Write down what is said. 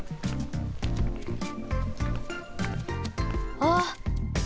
あっ。